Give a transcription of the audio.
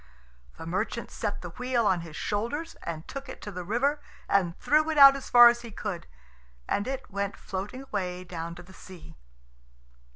The merchant set the wheel on his shoulders, and took it to the river and threw it out as far as he could, and it went floating away down to the sea.